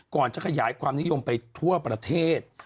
ก่อนจะขยายความนิยมไปทั่วประเทศ